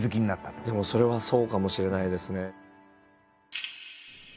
でもそれはそうかもしれないですね。